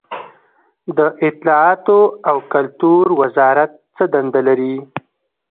د اطلاعاتو او کلتور وزارت څه دنده لري؟